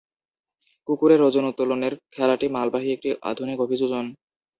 কুকুরের ওজন উত্তোলনের খেলাটি মালবাহী একটি আধুনিক অভিযোজন।